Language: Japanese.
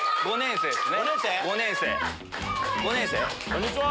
こんにちは。